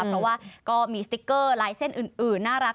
เพราะว่าก็มีสติ๊กเกอร์ลายเส้นอื่นน่ารัก